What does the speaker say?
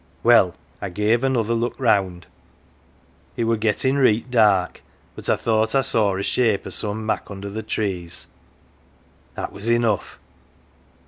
" Well, I gave another look round. It were gettin' reet dark, but I thought I saw a shape o' some mak' under th' trees. That was enough